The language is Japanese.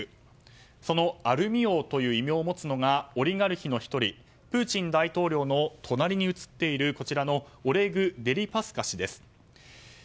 そのアルミ王という異名を持つのがオリガルヒの１人プーチン大統領の隣に写っているオレグ・デリパスカ氏です。